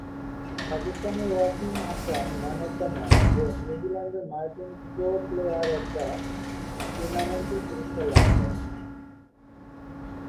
পাকিস্তানের Wasim Akram man of the match ও নিউজিল্যান্ডের Martin Crowe player of the টুর্নামেন্টের পুরস্কার লাভ করেন।